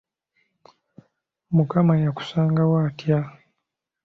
Mukama yakusanga wo atya?